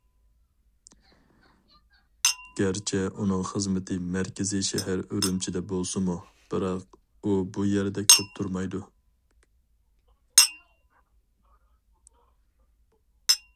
گەرچە ئۇنىڭ خىزمىتى مەركىزىي شەھەر ئۈرۈمچىدە بولسىمۇ، بىراق ئۇ بۇ يەردە كۆپ تۇرمايدۇ.